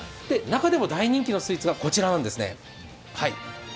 中でも大人気のスイーツがこちらなんです。